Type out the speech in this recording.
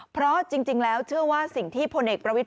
เพราะจริงแล้วเชื่อว่าสิ่งที่พลเอกประวิทย